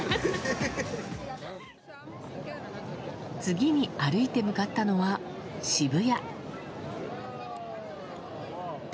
次に歩いて向かったのは、渋谷。